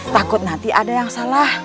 takut nanti ada yang salah